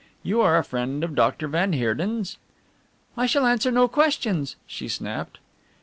You are a friend of Doctor van Heerden's?" "I shall answer no questions," she snapped.